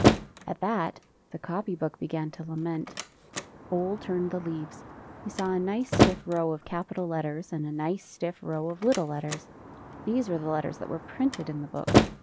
At that the copy book began to lament. Ole turned the leaves. He saw a nice stiff row of capital letters, and a nice stiff row of little letters. These were the letters that were printed in the book.